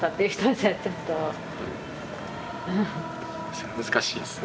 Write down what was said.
それは難しいですね